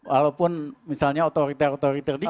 walaupun misalnya otoriter otoriter dia